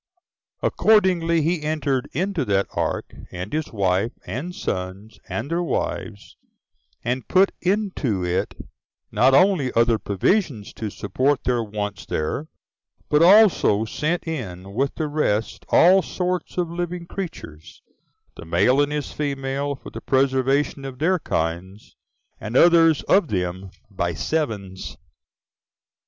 Accordingly he entered into that ark, and his wife, and sons, and their wives, and put into it not only other provisions, to support their wants there, but also sent in with the rest all sorts of living creatures, the male and his female, for the preservation of their kinds; and others of them by sevens.